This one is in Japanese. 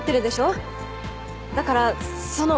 だからその応援。